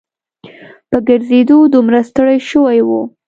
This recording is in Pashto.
په ګرځېدو دومره ستړي شوي وو.